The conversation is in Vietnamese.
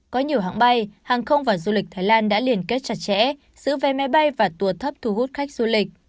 có nhiều hãng bay hàng không và du lịch thái lan đã liên kết chặt chẽ giữa vé máy bay và tour thấp thu hút khách du lịch